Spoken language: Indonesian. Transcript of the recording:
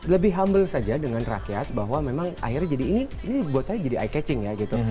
lebih humble saja dengan rakyat bahwa memang akhirnya jadi ini buat saya jadi eye catching ya gitu